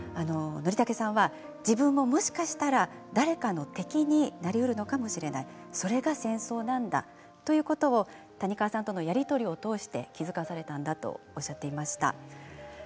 Ｎｏｒｉｔａｋｅさんは自分も、もしかしたら誰かの敵になりうるのかもしれないそれが戦争なんだ、ということを谷川さんとのやり取りを通して気付かされたんだとおっしゃっていました。